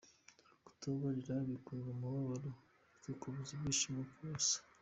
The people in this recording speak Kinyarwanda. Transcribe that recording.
Kutababarira bikurura umubabaro bikakubuza ibyishimo ku busa.